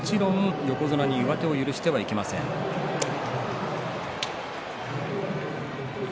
もちろん横綱に許してはいけません。